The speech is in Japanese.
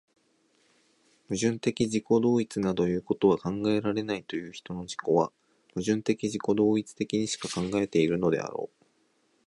矛盾的自己同一などいうことは考えられないという人の自己は、矛盾的自己同一的にしか考えているのであろう。